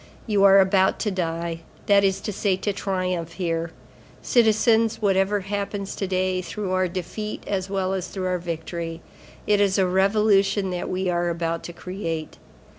You are about to die, that is to say to triumph, here. Citizens, whatever happens to day, through our defeat as well as through our victory, it is a revolution that we are about to create.